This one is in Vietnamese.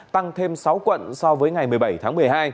tăng thêm sáu quận so với ngày một mươi bảy tháng một mươi hai